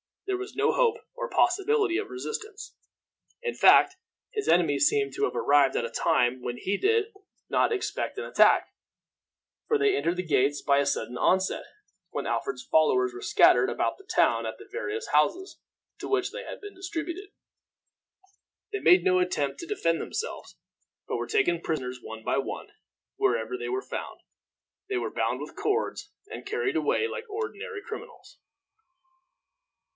There was no hope or possibility of resistance. In fact, his enemies seem to have arrived at a time when he did not expect an attack, for they entered the gates by a sudden onset, when Alfred's followers were scattered about the town at the various houses to which they had been distributed. They made no attempt to defend themselves, but were taken prisoners one by one, wherever they were found. They were bound with cords, and carried away like ordinary criminals.